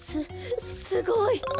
すすごい！